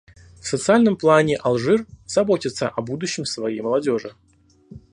В социальном плане Алжир заботится о будущем своей молодежи.